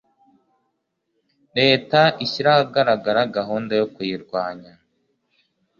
Leta ishyire ahagaragara gahunda yo kuyirwanya